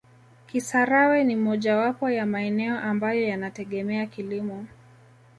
Kisarawe ni mojawapo ya maeneo ambayo yanategemea kilimo